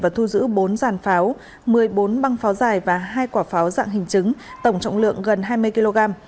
và thu giữ bốn giàn pháo một mươi bốn băng pháo dài và hai quả pháo dạng hình chứng tổng trọng lượng gần hai mươi kg